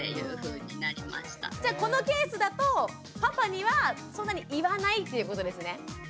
じゃあこのケースだとパパにはそんなに言わないっていうことですね？